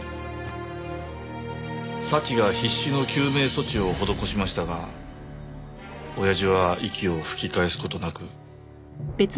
祥が必死の救命措置を施しましたが親父は息を吹き返す事なく。